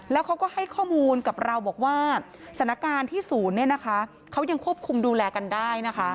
แล้วเขาก็ให้ข้อมูลกับเราบอกว่าสถานการณ์ที่ศูนย์เขายังควบคุมดูแลกันได้นะคะ